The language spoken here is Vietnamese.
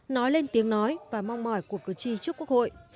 nói lên tiếng nói và mong mỏi của cử tri trước quốc hội